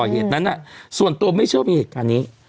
เหตุนั้นส่วนตัวไม่เชื่อว่ามีเหตุการณ์นี้